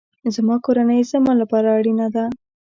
زما کورنۍ زما لپاره اړینه ده